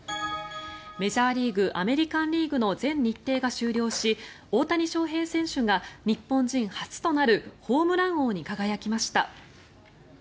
メジャーリーグアメリカン・リーグの全日程が終了し大谷翔平選手が日本人初となるホームラン王に輝きました。